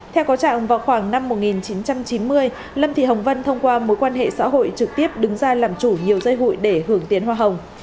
theo có trạng vào khoảng năm một nghìn chín trăm chín mươi lâm thị hồng vân thông qua mối quan hệ xã hội trực tiếp đứng ra làm chủ nhiều dây hụi để hưởng tiền hoa hồng